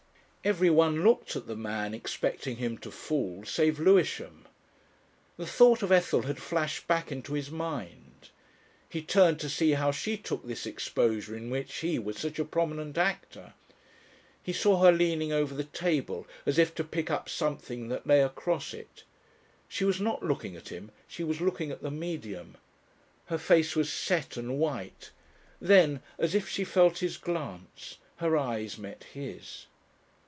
Everyone looked at the man, expecting him to fall, save Lewisham. The thought of Ethel had flashed back into his mind. He turned to see how she took this exposure in which he was such a prominent actor. He saw her leaning over the table as if to pick up something that lay across it. She was not looking at him, she was looking at the Medium. Her face was set and white. Then, as if she felt his glance, her eyes met his.